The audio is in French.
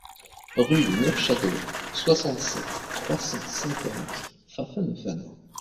Rue de Neufchâteau, soixante-sept, trois cent cinquante Pfaffenhoffen